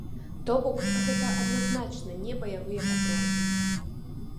То бок гэта адназначна не баявыя патроны.